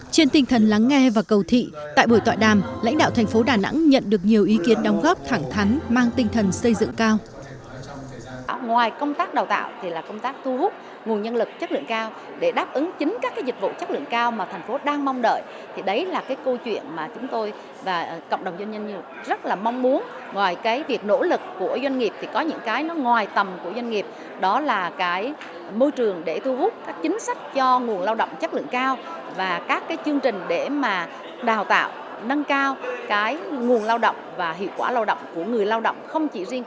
trên tinh thần lắng nghe và cầu thị tại buổi tọa đàm lãnh đạo tp đà nẵng nhận được nhiều ý kiến